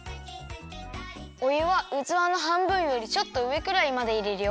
おゆはうつわのはんぶんよりちょっとうえくらいまでいれるよ。